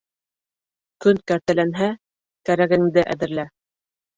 Көн кәртәләнһә, кәрәгенде әҙерлә.